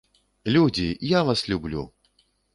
Людзі, я вас люблю!!!